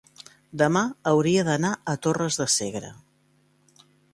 demà hauria d'anar a Torres de Segre.